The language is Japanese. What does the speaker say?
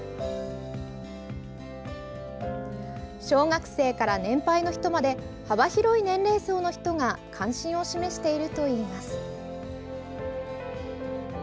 小学生から年配の人まで幅広い年齢層の人が関心を示しているといいます。